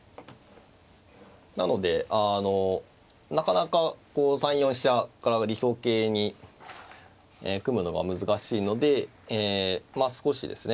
なのでなかなか３四飛車から理想型に組むのが難しいので少しですね